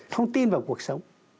không tin vào cuộc sống